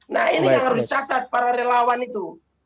nah ini yang harus dicatat para relawan itu